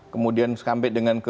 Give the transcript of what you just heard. kemudian sampai dengan ke enam puluh